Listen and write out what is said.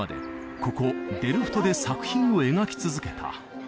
ここデルフトで作品を描き続けた